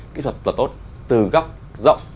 kỹ thuật tốt từ góc rộng